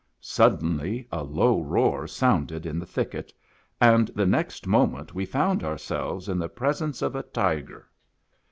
Suddenly a low roar sounded in the thicket, and the next moment we found ourselves in the presence of a tiger.